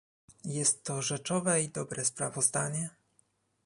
Jest to rzeczowe i dobre sprawozdanie